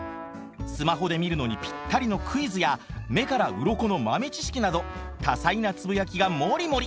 スマホで見るのにぴったりのクイズや目からうろこの豆知識など多彩なつぶやきがもりもり。